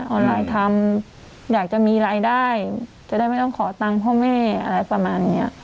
ออนไลน์ทำอยากจะมีรายได้จะได้ไม่ต้องขอตังค์พ่อแม่อะไรประมาณนี้